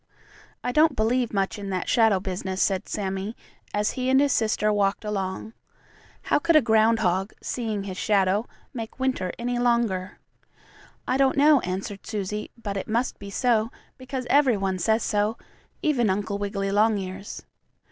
"I don't believe much in that shadow business," said Sammie, as he and his sister walked along. "How could a groundhog, seeing his shadow, make winter any longer?" "I don't know," answered Susie, "but it must be so, because every one says so; even Uncle Wiggily Longears."